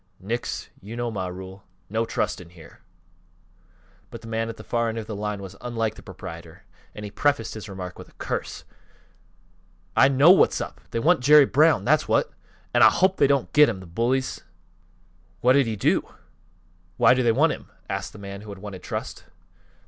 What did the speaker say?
"Nix; you know my rule. No trust in here." But the man at the far end of the line was unlike the proprietor and he prefaced his remarks with a curse. "I know what's up! They want Jerry Brown, that's what! An' I hopes they don't get him, th' bullies!" "What did he do? Why do they want him?" asked the man who had wanted trust.